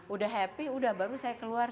udah happy udah baru saya keluar